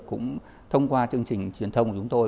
cũng thông qua chương trình truyền thông của chúng tôi